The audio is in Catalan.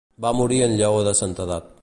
Va morir en llaor de santedat.